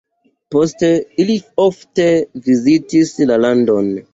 Poste ili ofte vizitis la landon.